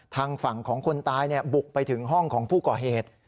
ทางฝั่งของคนตายบุกไปถึงห้องของผู้ก่อเหตุ